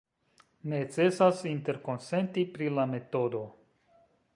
Necesas interkonsenti pri la metodo.